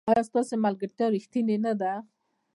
ایا ستاسو ملګرتیا ریښتینې نه ده؟